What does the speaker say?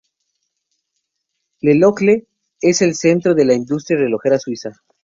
Le Locle es el centro de la industria relojera suiza.